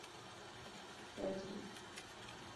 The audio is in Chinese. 格里利镇区为美国堪萨斯州塞奇威克县辖下的镇区。